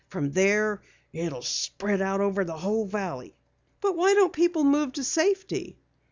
From there it'll spread out over the whole valley." "But why don't people move to safety?"